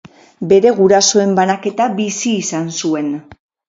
Bere gurasoen banaketa bizi izan zuen.